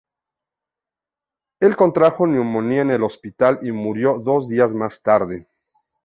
Él contrajo neumonía en el hospital y murió dos días más tarde.